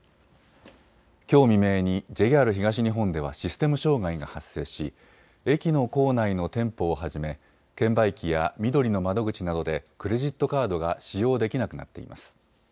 きょう未明にＪＲ東日本ではシステム障害が発生し駅の構内の店舗をはじめ券売機やみどりの窓口などでクレジットカードが使用できなくなっています。